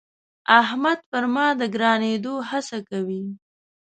احمد پر ما د ګرانېدو هڅه کوي.